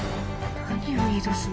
何を言いだすの？